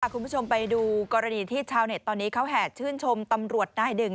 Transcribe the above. คุณผู้ชมไปดูกรณีที่ชาวเน็ตตอนนี้เขาแห่ชื่นชมตำรวจนายหนึ่ง